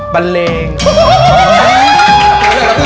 กระเบิ้ล